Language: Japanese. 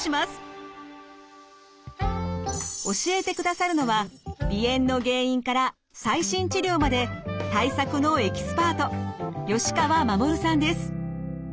教えてくださるのは鼻炎の原因から最新治療まで対策のエキスパート吉川衛さんです。